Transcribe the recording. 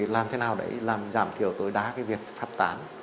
làm thế nào để giảm thiểu tối đá việc phát tán